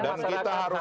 dan kita harus